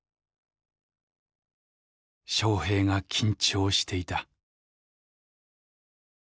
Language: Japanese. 「翔平が緊張していた」。